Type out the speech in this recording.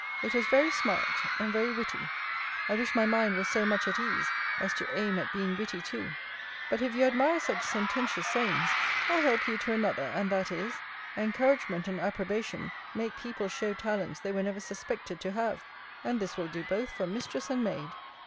It was very smart, and very witty. I wish my mind were so much at ease, as to aim at being witty too. But if you admire such sententious sayings, I'll help you to another; and that is, Encouragement and approbation make people show talents they were never suspected to have; and this will do both for mistress and maid.